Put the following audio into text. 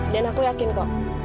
dan aku yakin kok